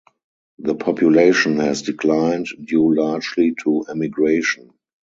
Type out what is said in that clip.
The population has declined due largely to emigration.